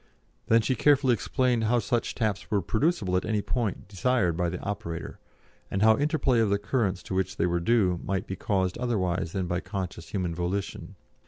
She then carefully explained how such taps were producible at any point desired by the operator, and how interplay of the currents to which they were due might be caused otherwise than by conscious human volition.